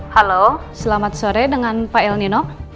halo selamat sore dengan pak el nino